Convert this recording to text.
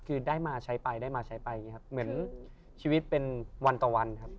คือได้มาใช้ไปได้มาใช้ไปเหมือนชีวิตเป็นวันต่อวันครับ